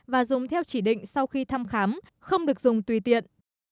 và dùng theo chỉ định sau khi thăm khám không được dùng tùy tiện